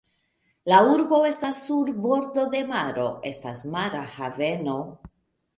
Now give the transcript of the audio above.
La urbo estas sur bordo de maro, estas mara haveno.